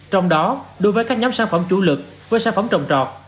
trong đó đối với các nhóm sản phẩm chủ lực với sản phẩm trồng trọt